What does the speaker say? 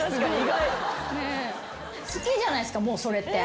好きじゃないですかもうそれって。